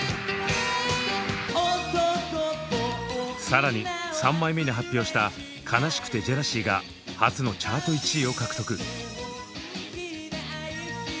更に３枚目に発表した「哀しくてジェラシー」が初のチャート１位を獲得。